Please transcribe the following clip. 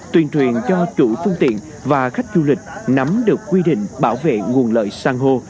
tuyên truyền cho chủ phương tiện và khách du lịch nắm được quy định bảo vệ nguồn lợi san hô